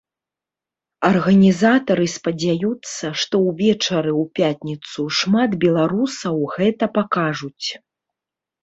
Арганізатары спадзяюцца, што ўвечары ў пятніцу шмат беларусаў гэта пакажуць.